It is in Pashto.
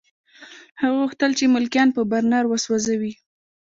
هغوی غوښتل چې ملکیان په برنر وسوځوي